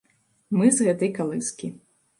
Мы з гэтай калыскі.